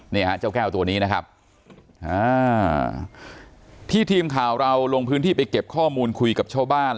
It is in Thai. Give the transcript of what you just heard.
นี่ฮะเจ้าแก้วตัวนี้นะครับอ่าที่ทีมข่าวเราลงพื้นที่ไปเก็บข้อมูลคุยกับชาวบ้าน